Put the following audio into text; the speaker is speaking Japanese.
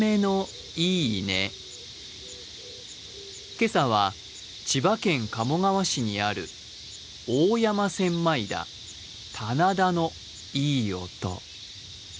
今朝は千葉県鴨川市にある大山千枚田棚田のいい音。